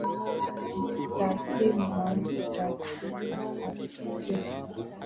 Mtasema mtachoka hatoki.